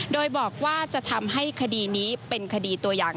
โดยบอกว่าจะทำให้คดีนี้เป็นคดีตัวอย่าง